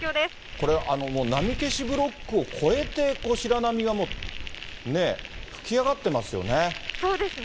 これ、波消しブロックを越えて白波が吹き上がってますよね。